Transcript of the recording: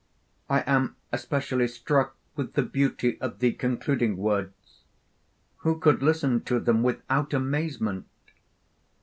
I am especially struck with the beauty of the concluding words who could listen to them without amazement?